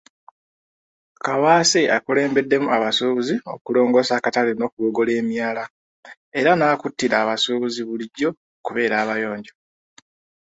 Kaawaase akulembeddemu abasuubuzi okulongoosa akatale n'okugogola emyala, era n'akuutira abasuubuzi bulijjo okubeera abayonjo.